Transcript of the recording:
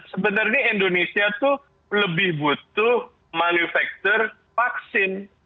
sebenarnya indonesia itu lebih butuh manufaktur vaksin